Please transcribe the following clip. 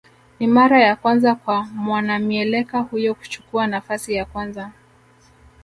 Ni mara ya kwanza kwa mwanamieleka huyo kuchukua nafasi ya kwanza